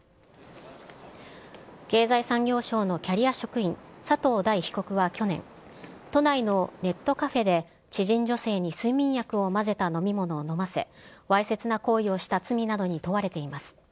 経済産業省のキャリア職員、佐藤大被告は去年、都内のネットカフェで、知人女性に睡眠薬を混ぜた飲み物を飲ませ、わいせつな行為をした罪などに問われています。